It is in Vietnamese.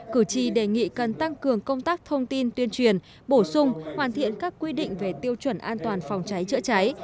cử tri đề nghị cần tăng cường công tác thông tin tuyên truyền bổ sung hoàn thiện các quy định về tiêu chuẩn an toàn phòng cháy chữa cháy